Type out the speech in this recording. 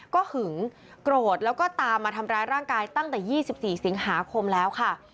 ก็หึงโกรธแล้วก็ตามมาทำร้ายร่างกายตั้งแต่๒๔สิงหาคมแล้วค่ะ